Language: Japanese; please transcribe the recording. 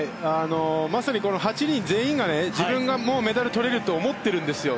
まさに８人全員が自分がメダルを取れるって思っているんですよ。